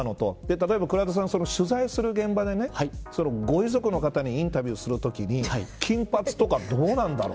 例えば倉田さん、取材する現場でご遺族の方にインタビューするときに金髪とかどうなんだろう。